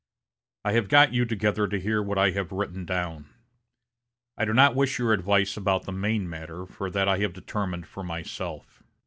I have got you together to hear what I have written down. I do not wish your advice about the main matter, for that I have determined for myself.